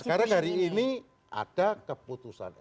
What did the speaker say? sekarang hari ini ada keputusan